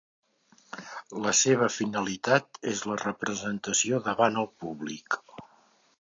La seva finalitat és la representació davant el públic.